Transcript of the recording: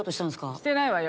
してないわよ。